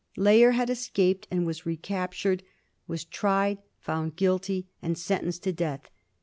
Layer had escaped and was recaptured, was tried, found guilty, and sentenced to death.